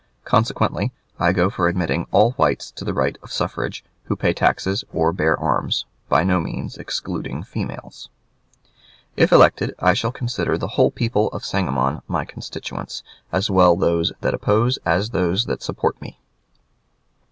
Consequently I go for admitting all whites to the right of suffrage who pay taxes or bear arms (by no means excluding females). If elected, I shall consider the whole people of Sangamon my constituents, as well those that oppose as those that support me.